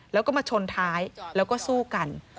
แล้วก็มาชนท้ายแล้วก็สู้กัน